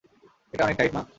এটা অনেক টাইট, মা।